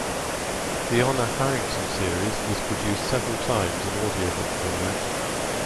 The Honor Harrington series was produced several times in audiobook format.